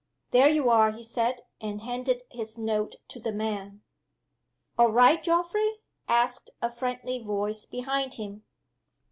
"There you are!" he said, and handed his note to the man. "All right, Geoffrey?" asked a friendly voice behind him.